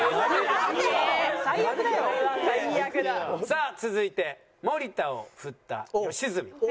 さあ続いて森田をフッた吉住。